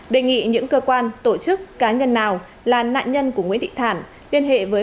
đề nghị những cơ quan tổ chức cá nhân nào là nạn nhân của nguyễn thị thản liên hệ với